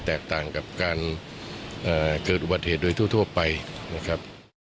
แตกต่างกับการเกิดอุบัติเหตุโดยทั่วไปนะครับ